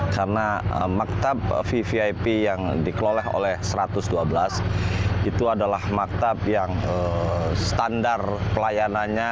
karena maktab vvip yang dikelola oleh satu ratus dua belas itu adalah maktab yang standar pelayanannya